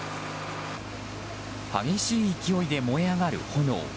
激しい勢いで燃え上がる炎。